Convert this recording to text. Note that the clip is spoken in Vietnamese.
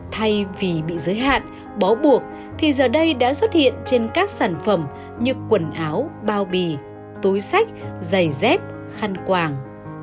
thay vì bị giới hạn bó buộc thì giờ đây đã xuất hiện trên các sản phẩm như quần áo bao bì túi sách giày dép khăn quàng